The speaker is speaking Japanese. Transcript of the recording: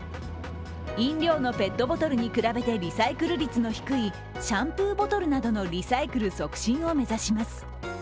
飲料のペットボトルに比べてリサイクル率の低いシャンプーボトルなどのリサイクル促進を目指します。